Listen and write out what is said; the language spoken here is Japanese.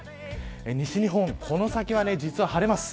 西日本、この先は実は晴れます。